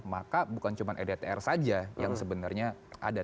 maka bukan cuma rdtr saja yang sebenarnya ada